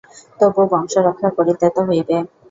তবু বংশরক্ষা করিতে তো হইবে।